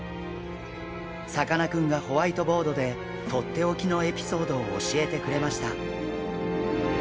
さかなクンがホワイトボードでとっておきのエピソードを教えてくれました。